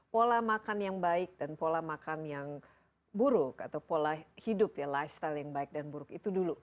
pola makan yang baik dan pola makan yang buruk atau pola hidup ya lifestyle yang baik dan buruk itu dulu